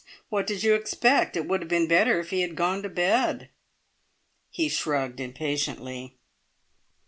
What did you expect? It would have been better if he had gone to bed.'" He shrugged impatiently.